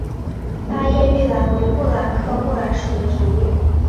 大叶玉兰为木兰科木兰属的植物。